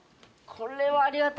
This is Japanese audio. これはありがたい。